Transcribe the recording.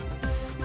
bạn có ý tưởng